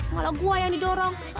bukan gua yang dorong lu